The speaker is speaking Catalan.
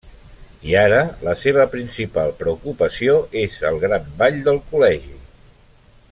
I ara, la seva principal preocupació és el gran ball del col·legi.